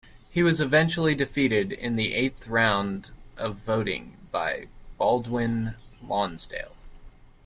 He was eventually defeated in the eighth round of voting by Baldwin Lonsdale.